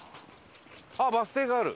あっバス停がある。